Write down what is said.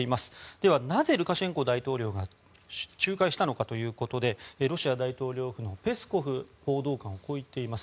では、なぜルカシェンコ大統領が仲介したのかということでロシア大統領府のペスコフ報道官はこう言っています。